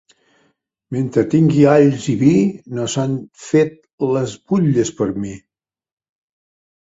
Mentre tingui alls i vi no s'han fet les butlles per a mi.